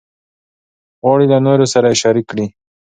غواړي له نورو سره یې شریک کړي.